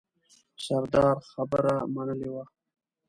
سردار خبره منلې وه.